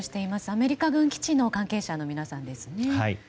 アメリカ軍基地の関係者の皆さんです。